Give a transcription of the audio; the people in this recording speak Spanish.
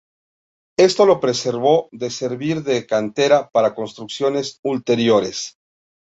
Esto lo preservó de servir de cantera para construcciones ulteriores.